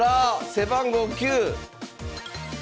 背番号９！